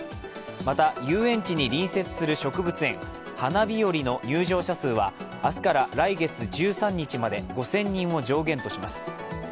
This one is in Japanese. また遊園地に隣接する植物園ＨＡＮＡ・ＢＩＹＯＲＩの入場者数は明日から来月１３日まで５０００人を上限とします。